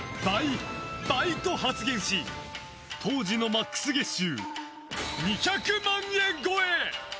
倍！と発言し当時のマックス月収２００万円超え。